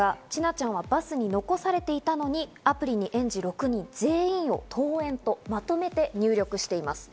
午前８時５６分、派遣職員が千奈ちゃんがバスに残されていたのにアプリに園児６人全員を「登園」とまとめて入力しています。